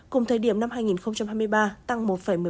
cùng thời điểm năm hai nghìn hai mươi ba tăng một một mươi ba